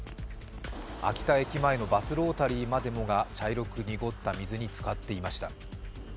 秋田駅前のバスロータリーまでもが茶色く濁った水につかっていました。